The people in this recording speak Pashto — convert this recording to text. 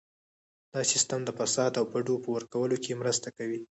دا سیستم د فساد او بډو په ورکولو کې مرسته کوي.